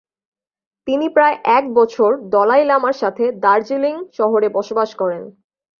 তিনি প্রায় এক বছর দলাই লামার সাথে দার্জিলিং শহরে বসবাস করেন।